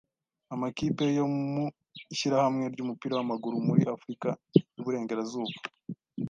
amakipe yo mu ishyirahamwe ry'umupira w'amaguru muri Afurika y'uburengerazuba